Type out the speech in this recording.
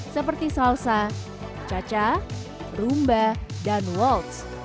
seperti salsa caca rumba dan waltz